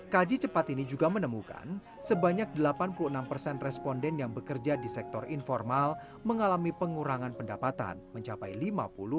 kaji cepat ini juga menemukan sebanyak delapan puluh enam persen responden yang bekerja di sektor informal mengalami pengurangan pendapatan mencapai lima puluh persen